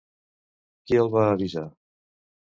Qui el va avisar?